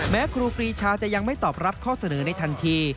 ครูปรีชาจะยังไม่ตอบรับข้อเสนอในทันที